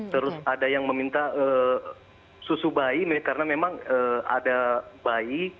terus ada yang meminta susu bayi karena memang ada bayi